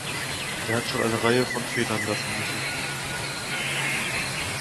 Er hat schon eine Reihe von Federn lassen müssen.